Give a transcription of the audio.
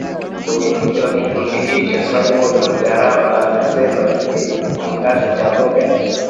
Mwenyekiti wa kikundi hicho Simon Garama anasema kiangazi cha muda